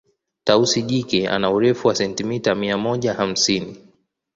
Tausi jike ana Urefu wa sentimita mia moja hamsini